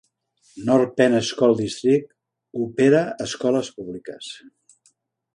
North Penn School District Opera escoles públiques.